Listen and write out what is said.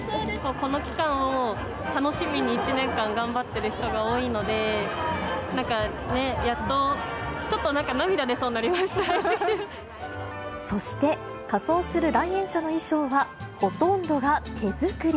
この期間を楽しみに１年間頑張ってる人が多いので、やっと、ちょっとなんか、涙出そうになりそして、仮装する来園者の衣装は、ほとんどが手作り。